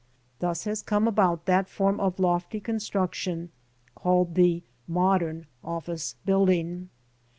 Thus has come about that form of lofty construction called the " modern office building."